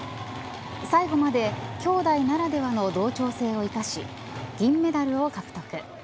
最後まで、きょうだいならではの同調性を生かし銀メダルを獲得。